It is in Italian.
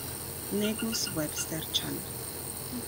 Negus Webster-Chan